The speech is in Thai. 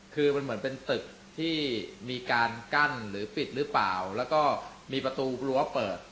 คือมันเหมือนเป็นตึกที่มีการกั้นหรือปิดหรือเปล่าแล้วก็มีประตูรั้วเปิด